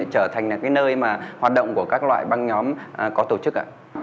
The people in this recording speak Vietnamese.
trở thành nơi hoạt động của các loại băng nhóm có tổ chức